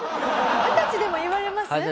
二十歳でも言われます？